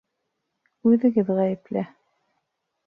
Үҙегеҙ ғәйепле!